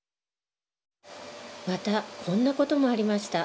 またこんな事もありました。